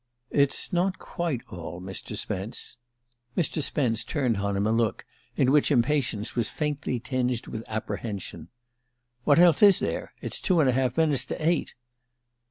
"It's not quite all, Mr. Spence." Mr. Spence turned on him a look in which impatience was faintly tinged with apprehension. "What else is there? It's two and a half minutes to eight."